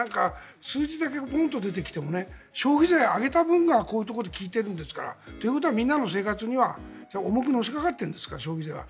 数字だけボンと出てきても消費税を上げた分がこういうところで利いてるんですからということはみんなの生活に重くのしかかっているんですから消費税は。